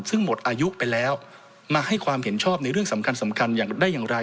ซึ่งหมดอายุไปแล้วมาให้ความเห็นชอบในเรื่องสำคัญสำคัญได้อย่างไร